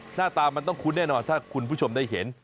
หน้าตามันต้องคุ้นแน่นอนถ้าคุณผู้ชมได้เห็น